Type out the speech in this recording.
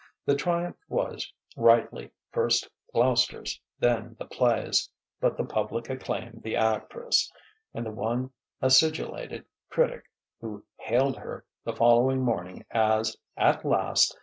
The triumph was, rightly, first Gloucester's, then the play's; but the public acclaimed the actress, and the one acidulated critic who hailed her, the following morning, as "at last!